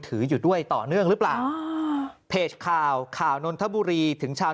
อยู่ด้วยต่อเนื่องหรือเปล่าเพจข่าวข่าวนนทบุรีถึงชาว